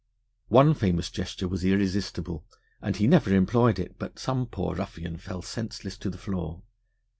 One famous gesture was irresistible, and he never employed it but some poor ruffian fell senseless to the floor.